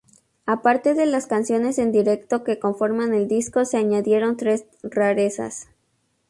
Aparte de las canciones en directo que conforman el disco, se añadieron tres rarezas.